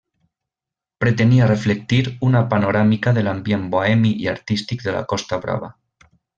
Pretenia reflectir una panoràmica de l'ambient bohemi i artístic de la Costa Brava.